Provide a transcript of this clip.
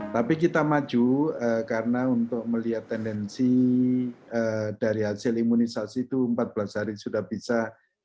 tapi kita maju karena untuk melihat tendensi dari hasil imunisasi itu empat belas hari sudah bisa